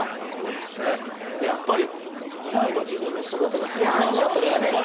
でやっぱり未来の自分の姿がこんなんだったらやっぱり。